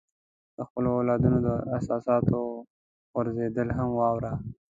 د خپلو اولادونو د احساساتو غورځېدل هم واوره.